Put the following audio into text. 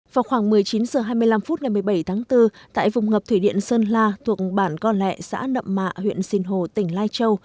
vào khoảng một mươi chín h hai mươi năm phút ngày một mươi bảy tháng bốn tại vùng ngập thủy điện sơn la thuộc bản con lẹ xã nậm mạ huyện sinh hồ tỉnh lai châu